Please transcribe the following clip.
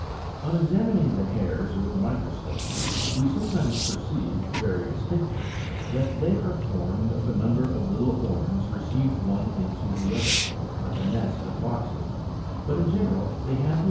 7. On examining the hairs with a microscope, we sometimes perceive, very distinctly, that they are formed of a number of little horns received one into the other, (like a nest of boxes,) but in general, they have the appearance of a simple horny tube, the 3.